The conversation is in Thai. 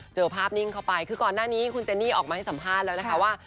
เจอภาพนิ่งเข้าไปคือก่อนหน้านี้คุณเจนี่ออกมาให้สัมภาษณ์แล้วนะคะว่า